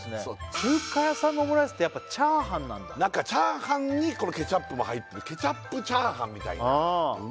中華屋さんのオムライスってやっぱチャーハンなんだ何かチャーハンにこのケチャップも入ってケチャップチャーハンみたいなう